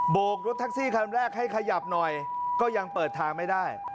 กรถแท็กซี่คันแรกให้ขยับหน่อยก็ยังเปิดทางไม่ได้